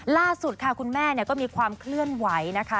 ล่าสุดค่ะคุณแม่ก็มีความเคลื่อนไหวนะคะ